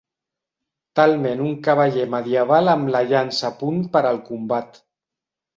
Talment un cavaller medieval amb la llança a punt per al combat.